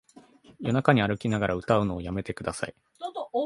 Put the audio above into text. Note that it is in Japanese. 夜中に歩きながら歌うのやめてください